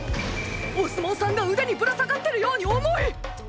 お相撲さんが腕にぶら下がってるように重い！